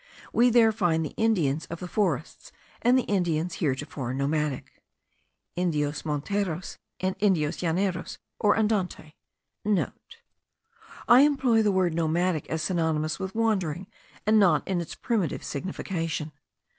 We there find the Indians of the forests, and the Indians heretofore nomadic* (Indios monteros and Indios llaneros, or andantes). (* I employ the word nomadic as synonymous with wandering, and not in its primitive signification.